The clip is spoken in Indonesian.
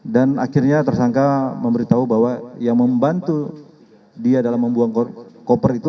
dan akhirnya tersangka memberitahu bahwa yang membantu dia dalam membuang koper itu